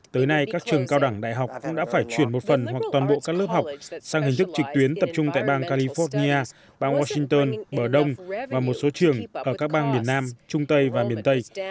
tới nay các trường cao đẳng đại học cũng đã phải chuyển một phần hoặc toàn bộ các lớp học sang hình thức trực tuyến tập trung tại bang california bang washington bờ đông và một số trường ở các bang miền nam trung tây và miền tây